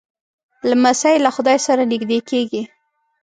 لمسی له خدای سره نږدې کېږي.